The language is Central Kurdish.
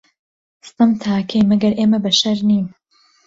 ستەم تا کەی، مەگەر ئێمە بەشەر نین